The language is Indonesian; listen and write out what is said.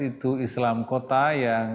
itu islam kota yang